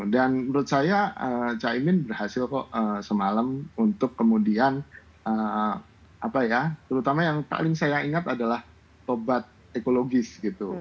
dan menurut saya caimin berhasil kok semalam untuk kemudian terutama yang paling saya ingat adalah obat ekologis gitu